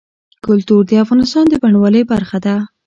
کلتور د افغانستان د بڼوالۍ برخه ده.